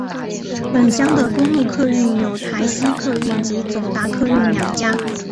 本乡的公路客运有台西客运及总达客运两家。